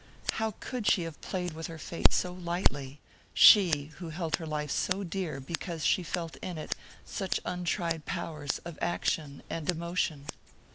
How could she have played with her fate so lightly she, who held her life so dear because she felt in it such untried powers of action and emotion?